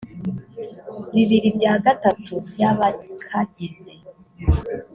bibiri bya gatatu by abakagize